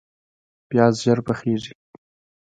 پیاز ژر پخیږي